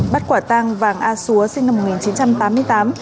bắt quả tang vàng a xúa sinh năm một nghìn chín trăm tám mươi tám